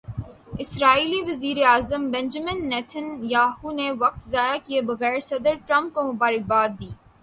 اسرائیلی وزیر اعظم Benjamin Nitin Yahoo نے وقت ضائع کیے بغیر صدر ٹرمپ کو مبارک باد دی۔